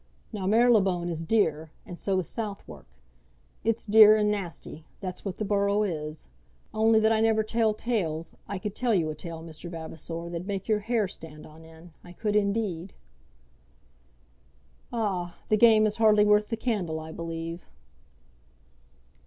Now Marylebone is dear, and so is Southwark. It's dear, and nasty; that's what the borough is. Only that I never tell tales, I could tell you a tale, Mr. Vavasor, that'd make your hair stand on end; I could indeed." "Ah! the game is hardly worth the candle, I believe."